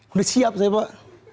udah siap saya pak